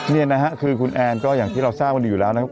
นี่นะฮะคือคุณแอนก็อย่างที่เราทราบกันดีอยู่แล้วนะครับ